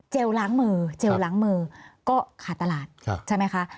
เจลล้างมือก็ขาดตลาดใช่ไหมคะ